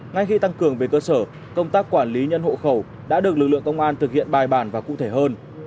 ngay khi tăng cường về cơ sở công tác quản lý nhân hộ khẩu đã được lực lượng công an thực hiện bài bản và cụ thể hơn